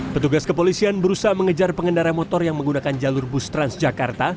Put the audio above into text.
petugas kepolisian berusaha mengejar pengendara motor yang menggunakan jalur bus transjakarta